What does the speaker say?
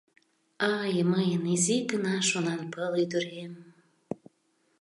Ай, мыйын изи гына шонанпыл ӱдырем!